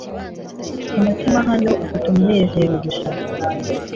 umutima hano ufite umunezero gusa